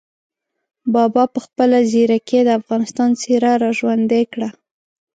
بابا په خپله ځیرکۍ د افغانستان څېره را ژوندۍ کړه.